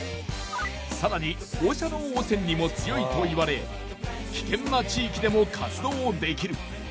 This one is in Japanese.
更に放射能汚染にも強いといわれ危険な地域でも活動できる。